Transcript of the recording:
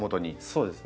そうです。